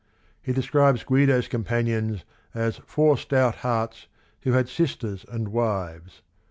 He describes Guido's companions as " four stout hearts who had sisters and wives."